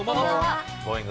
Ｇｏｉｎｇ！